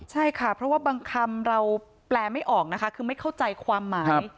ใช่ค่ะเพราะว่าบางคำเราแปลไม่ออกนะคะคือไม่เข้าใจความหมาย